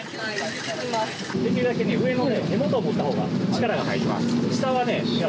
できるだけ上を持ったほうが力が入ります。